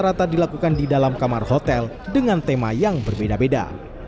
rata dilakukan di dalam kamar hotel dengan tema yang berbeda beda